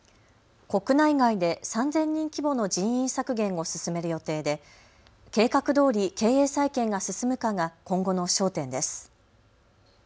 国内外で３０００人規模の人員削減を進める予定で計画どおり経営再建が進むかが今後の焦点です。